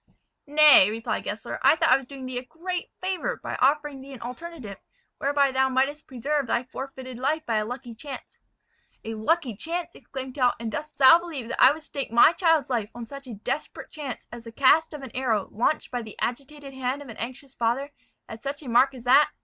"Nay," replied Gessler, "I thought I was doing thee a great favour by offering thee an alternative, whereby thou mightest preserve thy forfeited life by a lucky chance." "A lucky chance!" exclaimed Tell: "and dost thou believe that I would stake my child's life on such a desperate chance as the cast of an arrow launched by the agitated hand of an anxious father, at such a mark as that?